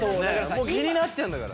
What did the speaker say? もう気になっちゃうんだから。